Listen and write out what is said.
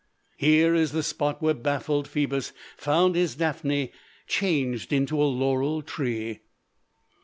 Here is the spot where baffled Phœbus found his Daphne changed into a laurel tree.